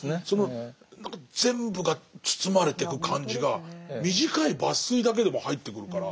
その何か全部が包まれてく感じが短い抜粋だけでも入ってくるから。